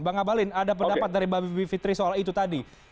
bang abalin ada pendapat dari mbak bibi fitri soal itu tadi